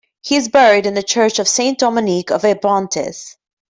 He is buried in the Church of Saint Dominique of Abrantes.